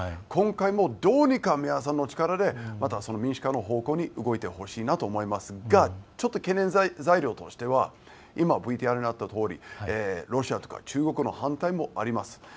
今回もどうにか皆さんの力でまた民主化の方向に動いてほしいなと思いますがちょっと懸念材料としては今、ＶＴＲにあったとおりロシアとか中国の反対があります。